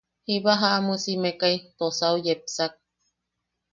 Jiba jaʼamusimekai tosau yepsak.